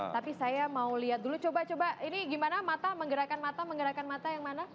tapi saya mau lihat dulu coba coba ini gimana mata menggerakkan mata menggerakkan mata yang mana